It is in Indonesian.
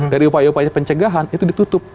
dari upaya upaya pencegahan itu ditutup